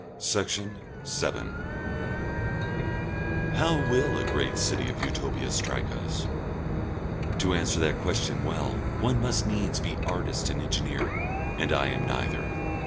Section 7 How will a great city of Utopia strike us? To answer that question well one must needs be artist and engineer, and I am neither.